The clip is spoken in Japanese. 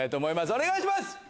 お願いします！